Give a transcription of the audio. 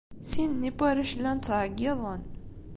Sin-nni n warrac llan ttɛeyyiḍen.